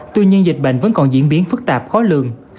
tuy nhiên dịch bệnh vẫn còn diễn biến phức tạp khó lường